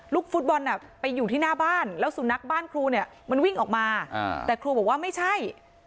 ฟุตบอลไปอยู่ที่หน้าบ้านแล้วสุนัขบ้านครูเนี่ยมันวิ่งออกมาแต่ครูบอกว่าไม่ใช่